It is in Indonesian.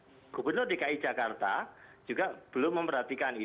ini yang saya pikir gubernur dki jakarta juga belum memperhatikan